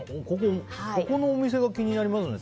ここのお店が気になりますね。